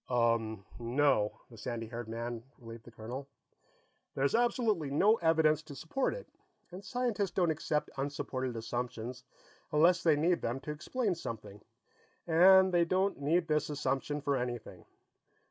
"Umm, no," the sandy haired man relieved the colonel. "There's absolutely no evidence to support it, and scientists don't accept unsupported assumptions unless they need them to explain something, and they don't need this assumption for anything.